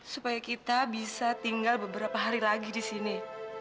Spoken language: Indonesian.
supaya kita bisa tinggal beberapa hari lagi di sini